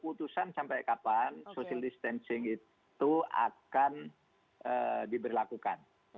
kalau ada keputusan sampai kapan social distancing itu akan diberlakukan